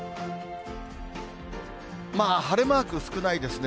まあ、晴れマーク少ないですね。